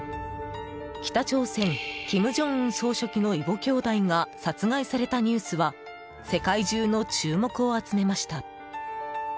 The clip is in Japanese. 北朝鮮、金正恩総書記の異母兄弟が殺害されたニュースは世界中の注目を集めました。